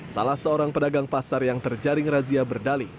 salah seorang pedagang pasar yang terjaring razia berdali